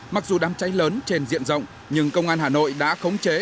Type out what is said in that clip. mặc dù đám cháy lớn trên diện rộng nhưng công an hà nội đã khống chế